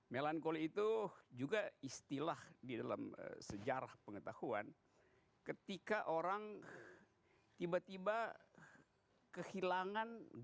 melankoli itu juga istilah di dalam sejarah pengetahuan ketika orang tiba tiba kehilangan